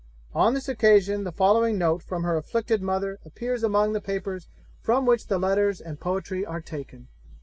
On this occasion the following note from her afflicted mother appears among the papers from which the letters and poetry are taken.